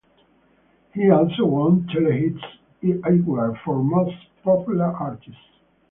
He also won Telehit's award for "Most Popular Artist".